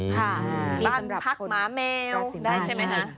ค่ะบ้านพักหมาแมวได้ใช่ไหมคะ